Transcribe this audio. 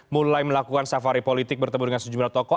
mulai melakukan safari politik bertemu dengan sejumlah tokoh